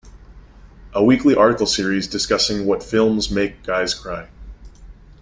A weekly article series discussing what films make guys cry.